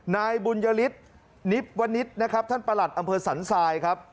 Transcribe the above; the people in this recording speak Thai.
นายบุญยฤทธิ์นิบวนิษฐ์นะครับท่านประหลัดอำเภอสันทรายครับ